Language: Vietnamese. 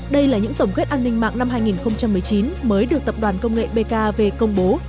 đây là những tổng kết an ninh mạng năm hai nghìn một mươi chín mới được tập đoàn công nghệ bkv công bố